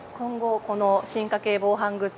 進化系防犯グッズ